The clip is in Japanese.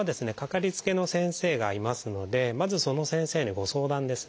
かかりつけの先生がいますのでまずその先生にご相談ですね。